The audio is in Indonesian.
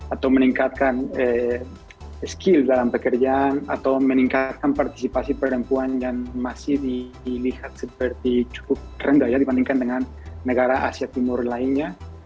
atau meningkatkan skill dalam pekerjaan atau meningkatkan partisipasi perempuan dan masih dilihat seperti cukup rendah ya dibandingkan dengan negara asia timur lainnya